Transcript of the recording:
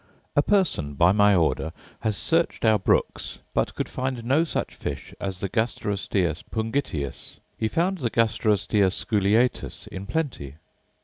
A person, by my order, has searched our brooks, but could find no such fish as the gasterosteus pungitius: he found the gasterosteus aculeatus in plenty.